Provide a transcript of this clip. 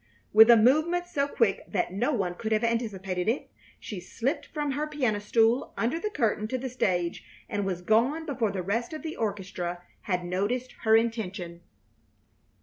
With a movement so quick that no one could have anticipated it, she slipped from her piano stool, under the curtain to the stage, and was gone before the rest of the orchestra had noticed her intention.